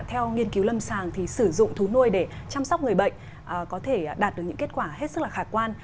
theo nghiên cứu lâm sàng thì sử dụng thú nuôi để chăm sóc người bệnh có thể đạt được những kết quả hết sức là khả quan